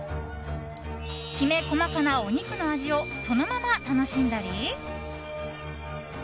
きめ細かなお肉の味をそのまま楽しんだり。